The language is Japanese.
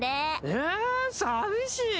ええ寂しい。